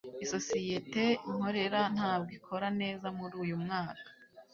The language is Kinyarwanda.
isosiyete nkorera ntabwo ikora neza muri uyu mwaka